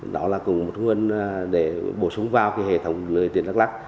đó là cùng một nguồn để bổ sung vào hệ thống lưới